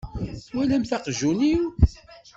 Twalamt aqjun-iw?